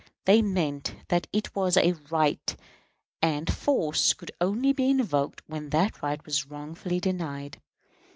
They meant that it was a right; and force could only be invoked when that right was wrongfully denied.